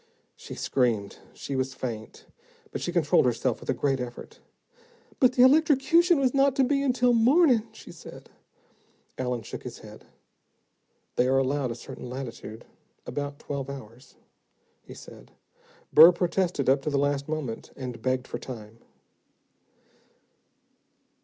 She screamed. She was faint, but she controlled herself with a great effort. "But the electrocution was not to be until morning," she said. Allen shook his head. "They are allowed a certain latitude, about twelve hours," he said. "Burr protested up to the last moment, and begged for time."